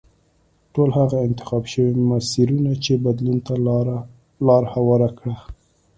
ټول هغه انتخاب شوي مسیرونه چې بدلون ته لار هواره کړه.